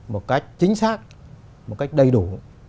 một cách chính xác một cách đầy đủ